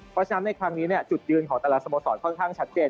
เพราะฉะนั้นในครั้งนี้จุดยืนของแต่ละสโมสรค่อนข้างชัดเจน